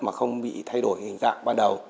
mà không bị thay đổi hình dạng ban đầu